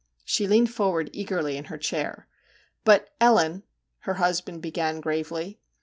she leaned forward eagerly in her chair. ' But, Ellen ' her husband began gravely.